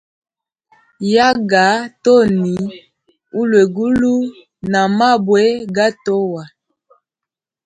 Yaga toni ulwegulu na mabwe gatowa.